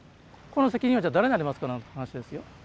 この責任はじゃあ誰にありますかなんて話ですよ。